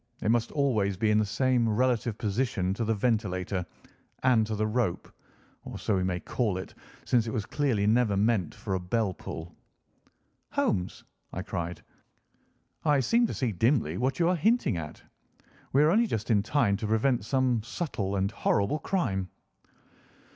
It must always be in the same relative position to the ventilator and to the rope—or so we may call it, since it was clearly never meant for a bell pull." "Holmes," I cried, "I seem to see dimly what you are hinting at. We are only just in time to prevent some subtle and horrible crime."